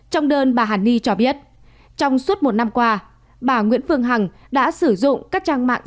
trong đơn bà hàn ni cho biết trong suốt một năm qua bà nguyễn phương hằng đã sử dụng các trang mạng